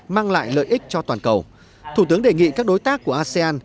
mang lại lợi ích cho toàn cầu thủ tướng đề nghị các đối tác của asean